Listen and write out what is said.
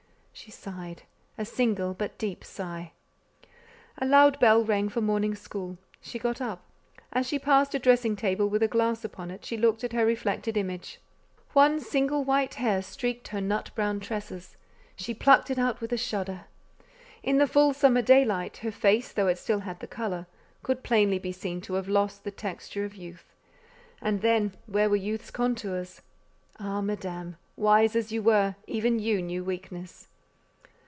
She sighed; a single, but a deep sigh. A loud bell rang for morning school. She got up; as she passed a dressing table with a glass upon it, she looked at her reflected image. One single white hair streaked her nut brown tresses; she plucked it out with a shudder. In the full summer daylight, her face, though it still had the colour, could plainly be seen to have lost the texture of youth; and then, where were youth's contours? Ah, Madame! wise as you were, even you knew weakness.